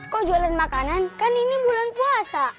kalau jualan makanan kan ini bulan puasa